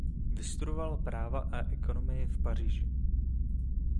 Vystudoval práva a ekonomii v Paříži.